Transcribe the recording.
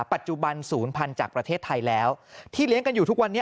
ปัจจุบันศูนย์พันธุ์จากประเทศไทยแล้วที่เลี้ยงกันอยู่ทุกวันนี้